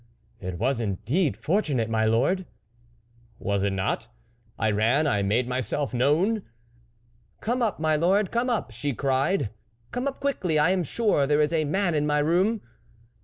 " It was indeed fortunate, my lord." " Was it not ?... I ran, I made my self known." "' Come up, my lord, come up,' she cried. ' Come up quickly I am sure there is a man in my room.'